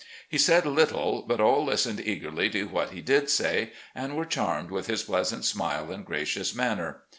He said little, but all listened eagerly to what he did say, and were charmed with his pleasant smile and gracious manner.